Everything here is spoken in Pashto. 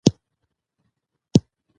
ماشومان د پوښتنو کولو حق لري